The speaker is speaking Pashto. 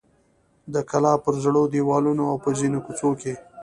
د کلا پر زړو دیوالونو او په ځینو کوڅو کې.